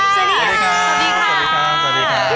สวัสดีค่ะ